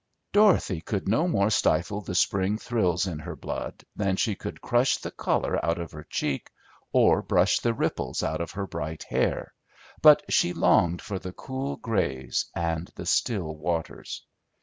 Dorothy could no more stifle the spring thrills in her blood than she could crush the color out of her cheek or brush the ripples out of her bright hair, but she longed for the cool grays and the still waters.